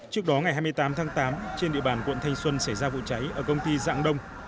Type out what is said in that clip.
trước đó ngày hai mươi tám tháng tám trên địa bàn quận thanh xuân xảy ra vụ cháy ở công ty dạng đông